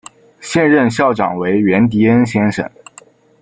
现任校长为源迪恩先生。